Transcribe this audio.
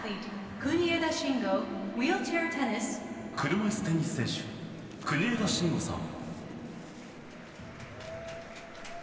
車いすテニス選手、国枝慎吾さん。